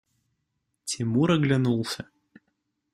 Тимур оглянулся.